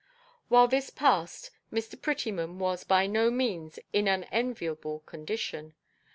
While this passed Mr. Prettyman was by no means in an enviable condition.